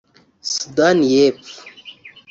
Sudani y’Epfo